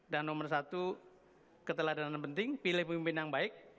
dan nomor satu keteladanan penting pilih pemimpin yang baik